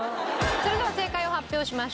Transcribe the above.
それでは正解を発表しましょう。